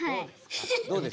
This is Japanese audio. どうですか？